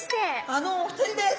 あのお二人です。